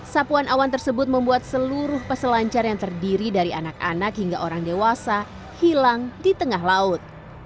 sapuan awan tersebut membuat seluruh peselancar yang terdiri dari anak anak hingga orang dewasa hilang di tengah laut